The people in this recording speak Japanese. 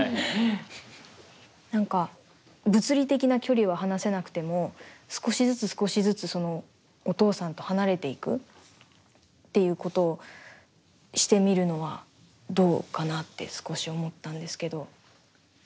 何か物理的な距離は離せなくても少しずつ少しずつお父さんと離れていくっていうことをしてみるのはどうかなって少し思ったんですけど。